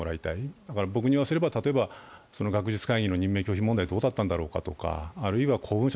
だから僕に言わせれば、例えば学術会議の任命についてどうだったんだろうかとか、あるいは公文書